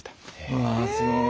うわすごい。